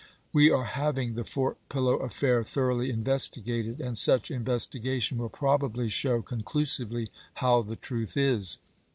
We are having the Fort Pillow affair thor oughly investigated ; and such investigation will probably show conclusively how the truth is.